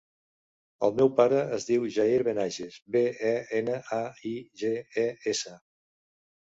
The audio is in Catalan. El meu pare es diu Jair Benaiges: be, e, ena, a, i, ge, e, essa.